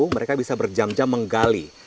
mereka bisa berjam jam menggali